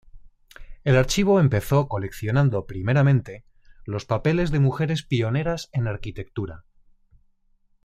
El archivo empezó coleccionando primeramente los papeles de mujeres pioneras en arquitectura.